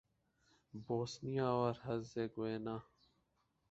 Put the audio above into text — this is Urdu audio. بوسنیا اور ہرزیگووینا